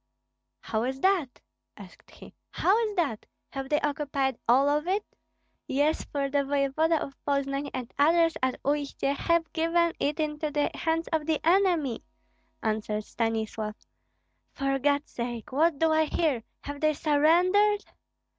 "How is that?" asked he, "how is that? Have they occupied all of it?" "Yes, for the voevoda of Poznan and others at Uistsie have given it into the hands of the enemy," answered Stanislav. "For God's sake! What do I hear? Have they surrendered?"